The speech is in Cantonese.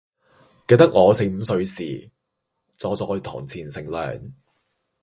記得我四五歲時，坐在堂前乘涼，